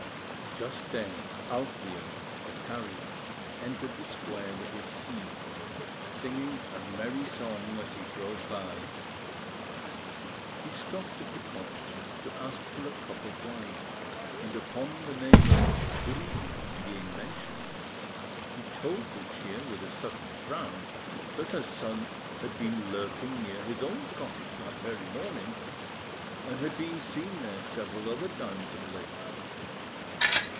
Just then, Alfio, the carrier, entered the square with his team, singing a merry song as he drove by. He stopped at the cottage to ask for a cup of wine, and upon the name of Turiddu being mentioned, he told Lucia, with a sudden frown, that her son had been lurking near his own cottage that very morning, and had been seen there several other times of late.